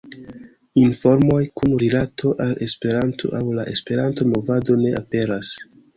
Informoj kun rilato al Esperanto aŭ la Esperanto-movado ne aperas.